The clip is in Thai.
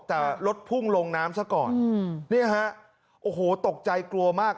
แต่รถพุ่งลงน้ำซะก่อนเนี่ยฮะโอ้โหตกใจกลัวมาก